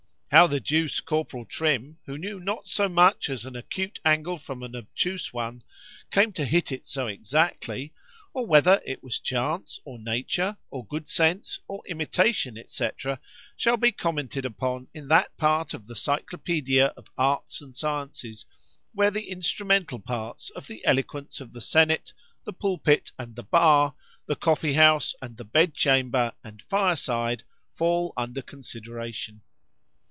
How the duce Corporal Trim, who knew not so much as an acute angle from an obtuse one, came to hit it so exactly;——or whether it was chance or nature, or good sense or imitation, &c. shall be commented upon in that part of the cyclopædia of arts and sciences, where the instrumental parts of the eloquence of the senate, the pulpit, and the bar, the coffee house, the bed chamber, and fire side, fall under consideration.